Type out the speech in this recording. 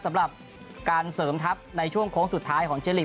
สำหรับการเสริมทัพในช่วงโค้งสุดท้ายของเจลิก